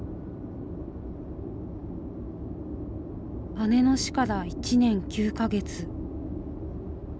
姉の死から１年９か月。